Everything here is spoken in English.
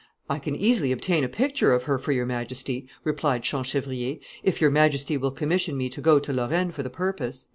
"I can easily obtain a picture of her for your majesty," replied Champchevrier, "if your majesty will commission me to go to Lorraine for the purpose."